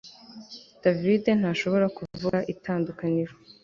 David ntashobora kuvuga itandukaniro